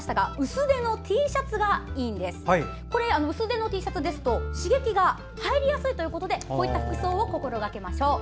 薄手のＴシャツですと刺激が入りやすいということでこういった服装を心がけましょう。